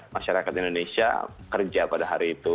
masyarakat indonesia kerja pada hari itu